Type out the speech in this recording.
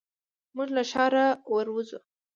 موږ له ښاره ور وځو.